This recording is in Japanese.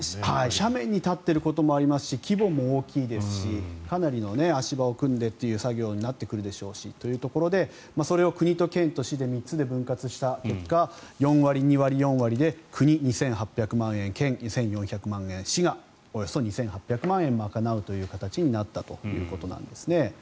斜面に立っていることもありますし規模も大きいですしかなりの足場を組んでという作業になってくるでしょうしというところでそれを国と県と市で３つに分割した結果４割、２割、４割で国、２８００万円県、１４００万円市がおよそ２８００万円を賄うという形になったということなんですね。